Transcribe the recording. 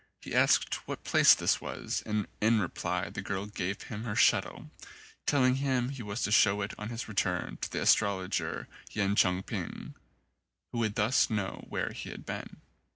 He asked what place this was and in reply the girl gave him her shuttle telling him to show it on his return to the as trologer Yen Chun ping, who would thus know where he had been.